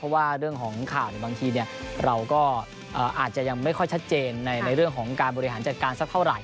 เพราะว่าเรื่องของข่าวบางทีเราก็อาจจะยังไม่ค่อยชัดเจนในเรื่องของการบริหารจัดการสักเท่าไห